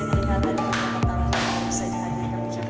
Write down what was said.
bapak dan ibu yang masih